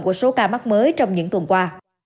một số ca mắc mới trong những tuần qua